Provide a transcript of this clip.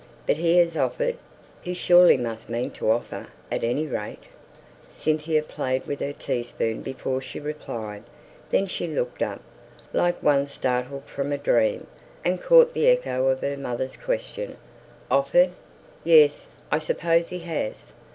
"But he has offered? He surely must mean to offer, at any rate?" Cynthia played with her teaspoon before she replied; then she looked up, like one startled from a dream, and caught the echo of her mother's question. "Offered! yes, I suppose he has."